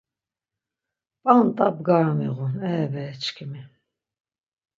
P̌anda bgara miğun, e bere çkimi.